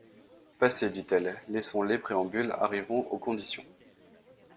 Passez, dit-elle, laissons les préambules, arrivons aux conditions.